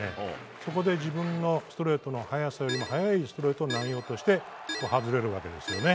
そこで自分のストレートの速さよりも速いストレートを投げようとして外れるわけですよね。